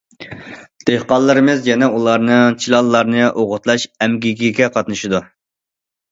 دېھقانلىرىمىز يەنە ئۇلارنىڭ چىلانلارنى ئوغۇتلاش ئەمگىكىگە قاتنىشىدۇ.